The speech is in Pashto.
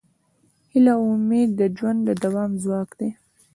هیله او امید د ژوند د دوام ځواک دی.